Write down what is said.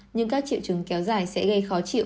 nhưng các triệu chứng kéo dài sẽ gây khó chịu